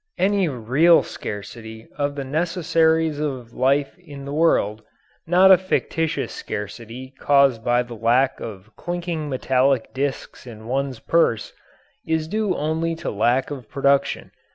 Any real scarcity of the necessaries of life in the world not a fictitious scarcity caused by the lack of clinking metallic disks in one's purse is due only to lack of production.